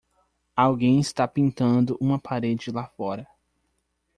Alguém está pintando uma parede lá fora.